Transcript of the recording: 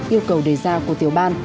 yêu cầu đề ra của tiểu ban